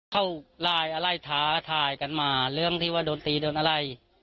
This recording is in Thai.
เข้าไลน์อะไรท้าทายกันมาเรื่องที่ว่าโดนตีโดนอะไร